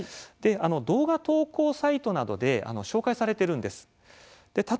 動画投稿サイトで紹介されています